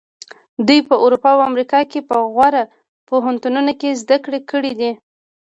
دوی په اروپا او امریکا کې په غوره پوهنتونونو کې زده کړې کړې دي.